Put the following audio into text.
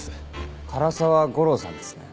唐沢吾郎さんですね？